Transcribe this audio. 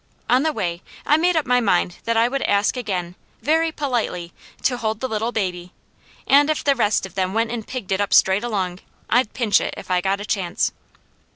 On the way, I made up my mind that I would ask again, very politely, to hold the little baby, and if the rest of them went and pigged it up straight along, I'd pinch it, if I got a chance.